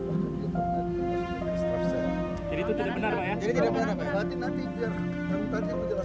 bawah bisa jadi apa